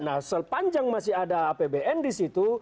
nah sepanjang masih ada apbn disitu